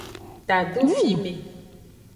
Tado fime.